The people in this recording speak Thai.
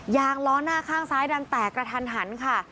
ยางล้อหน้าข้างซ้ายดันแตกกระทันหันค่ะ